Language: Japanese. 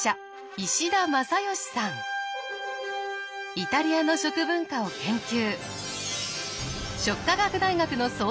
イタリアの食文化を研究。